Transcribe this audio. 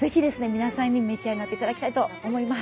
皆さんに召し上がっていただきたいと思います。